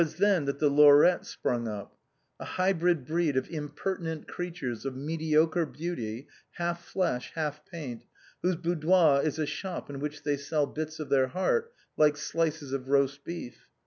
then that the lorette sprung up, A hybrid breed of imper tinent creatures of mediocre beauty, half flesh, half paint, whose boudoir is a shop in which they sell bits of their heart like slices of roast beef.